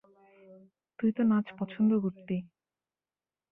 তুই তো নাচ পছন্দ করতি।